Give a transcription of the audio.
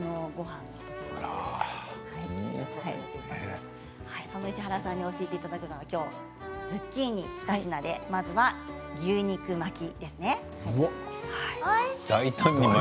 そんな石原さんに教えていただくのはズッキーニ２品でまずは牛肉巻きですね。